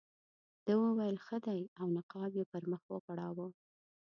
ده وویل ښه دی او نقاب یې پر مخ وغوړاوه.